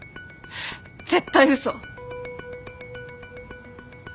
絶対嘘！